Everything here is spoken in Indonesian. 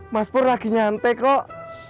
mas pur lagi nyantai kok